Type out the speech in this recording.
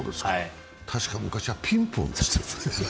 たしか昔はピンポンでしたよね。